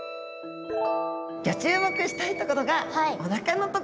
ギョ注目したいところがおなかのところです。